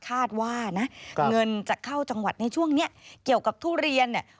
คาดว่านะเงินจะเข้าจังหวัดในช่วงนี้เกี่ยวกับทุเรียนเนี่ย